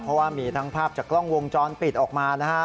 เพราะว่ามีทั้งภาพจากกล้องวงจรปิดออกมานะฮะ